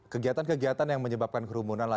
kegiatan kegiatan yang menyebabkan kerumunan